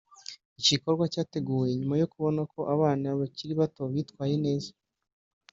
iki gikorwa cyateguwe nyuma yo kubona ko abana bakiri bato bitwaye neza